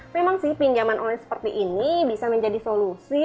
memang sih pinjaman online seperti ini bisa menjadi solusi